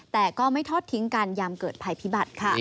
แต่ก็ไม่ทอดทิ้งกันยามเกิดภัยพิบัติค่ะ